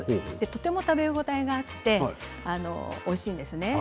とても食べ応えがあっておいしいんですね。